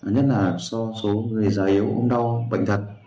nhất là do số người già yếu ông đau bệnh thật